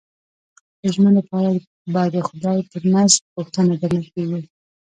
د ژمنو په اړه به د خدای په نزد پوښتنه درنه کېږي.